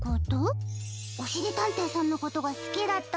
おしりたんていさんのことがすきだったはずじゃ。